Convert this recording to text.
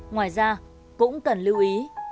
ngoài ra cũng cần lưu ý